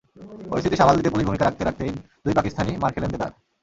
পরিস্থিতি সামাল দিতে পুলিশ ভূমিকা রাখতে রাখতেই দুই পাকিস্তানি মার খেলেন দেদার।